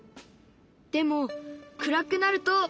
でも暗くなると。